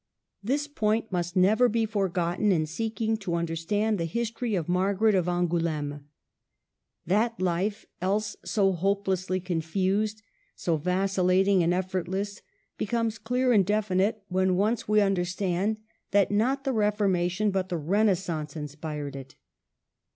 This point must never be forgotten in seeking to understand the history of Margaret of An gouleme. That life, else so hopelessly confused, so vacillating and effortless, becomes clear and definite when once we understand that not the Reformation but the Renaissance inspired it.